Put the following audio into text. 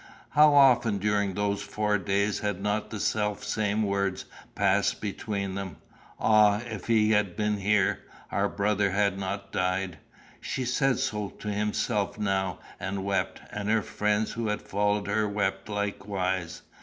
How often during those four days had not the self same words passed between them! 'Ah, if he had been here, our brother had not died!' She said so to himself now, and wept, and her friends who had followed her wept likewise.